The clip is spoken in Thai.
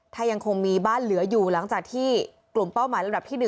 ถ้ายังคงมีบ้านเหลืออยู่หลังจากที่กลุ่มเป้าหมายลำดับที่๑